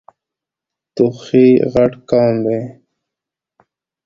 توخی غټ قوم ده.